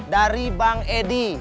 dari bang edy